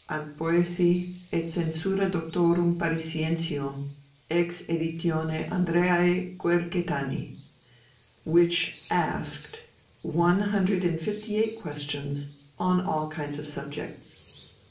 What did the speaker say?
Antboësii, et Censura doctorum parisiensium; ex editione Andreae Quercetani (André Duchesne)_.] which asked one hundred and fifty eight questions on all kinds of subjects.